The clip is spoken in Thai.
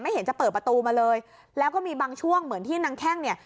เห็นจะเปิดประตูมาเลยแล้วก็มีบางช่วงเหมือนที่นางแข้งเนี่ย